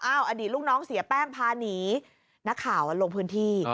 อดีตลูกน้องเสียแป้งพาหนีนักข่าวลงพื้นที่